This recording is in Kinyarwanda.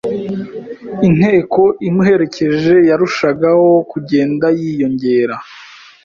Inteko imuherekeje yarushagaho kugenda yiyongera,